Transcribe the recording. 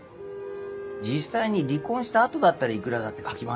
実際に離婚した後だったらいくらだって描きますよ。